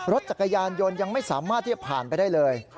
รถจักรยานยนต์ยังไม่สามารถที่จะผ่านไปได้เลย